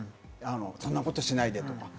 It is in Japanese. そんなことしないで！とか。